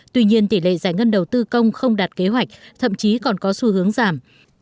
tuy nhiên tỷ lệ giải ngân đầu tư công không đạt kế hoạch thậm chí còn có xu hướng giảm